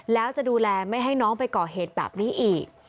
แล้วจะดูแลไม่ให้น้องไปก่อเหตุแบบนี้อีก